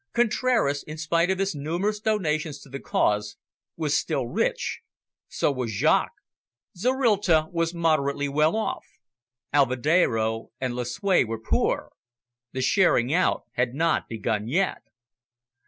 Contraras, in spite of his numerous donations to the cause, was still rich; so was Jaques. Zorrilta was moderately well off. Alvedero and Lucue were poor. The sharing out had not begun yet.